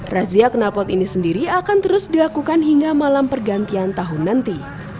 razia kenalpot ini sendiri akan terus dilakukan hingga malam pergantian tahun nanti